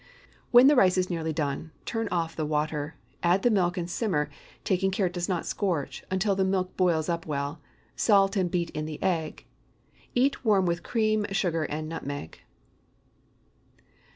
When the rice is nearly done, turn off the water, add the milk and simmer—taking care it does not scorch—until the milk boils up well. Salt, and beat in the egg. Eat warm with cream, sugar, and nutmeg.